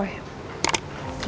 aku percaya sama dia